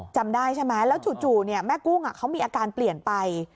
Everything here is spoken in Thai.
จำได้ใช่ไหมแล้วจู่แม่กุ้งเขามีอาการเปลี่ยนไป